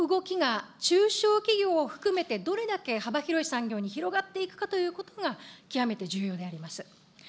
この動きが、中小企業を含めてどれだけ幅広い産業に広がっていくかということが、極めて重要であります。